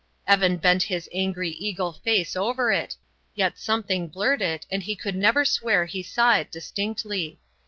Evan bent his angry eagle face over it; yet something blurred it and he could never swear he saw it distinctly.